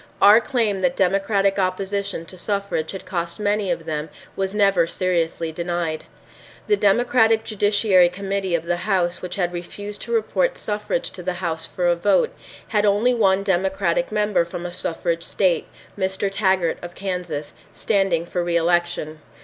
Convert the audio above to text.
Our claim that Democratic opposition to suffrage had cost many of them was never seriously denied. The Democratic Judiciary Committee of the House which had refused to report suffrage to the House for a vote, had only one Democratic member from a suffrage state, Mr. Taggart of Kansas, standing for reelection.